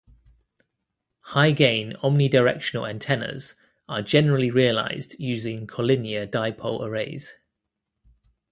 High-gain omnidirectional antennas are generally realized using collinear dipole arrays.